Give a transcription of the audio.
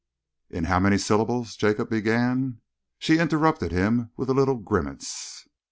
"In how many syllables," Jacob began She interrupted him with a little grimace.